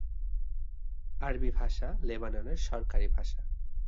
আরবি ভাষা লেবাননের সরকারি ভাষা।